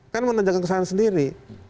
kan menunjukkan kesalahan sendiri